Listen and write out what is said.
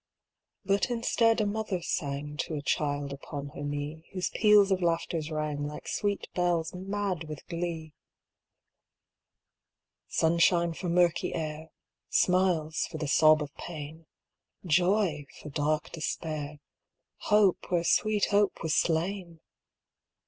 But instead a mother sang To a child upon her knee, Whose peals of laughter rang Like sweet bells mad with glee. 452 THE PRINCES' CHAMBER Sunshine for murky air, Smiles for the sob of pain, Joy for dark despair, Hope where sweet hope was slain